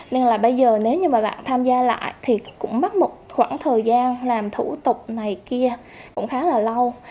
nên là bây giờ nếu như mà bạn tham gia lại thì cũng mất một khoảng thời gian làm thủ tục này kia cũng khá là lâu